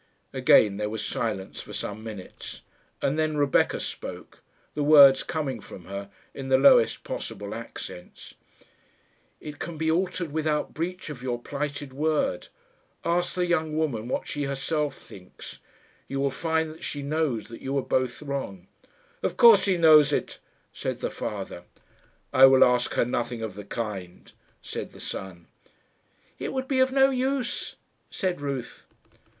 Again there was silence for some minutes, and then Rebecca spoke the words coming from her in the lowest possible accents. "It can be altered without breach of your plighted word. Ask the young woman what she herself thinks. You will find that she knows that you are both wrong." "Of course she knows it," said the father. "I will ask her nothing of the kind," said the son. "It would be of no use," said Ruth.